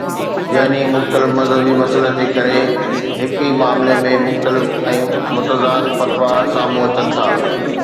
يعني مختلف مذهبي مسئلن جي ڪري هڪ ئي معاملي ۾ مختلف ۽ متضاد فتوا سامهون اچن ٿا